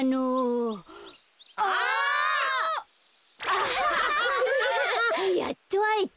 あ！やっとあえた。